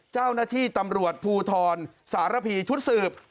เจ้าหน้าที่ตำรวจภูทรสารพีชุดสืบ